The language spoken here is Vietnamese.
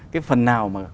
cái phần nào mà